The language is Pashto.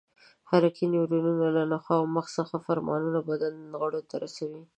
حرکي نیورونونه له نخاع او مغز څخه فرمانونه بدن غړو ته رسوي.